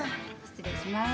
失礼します。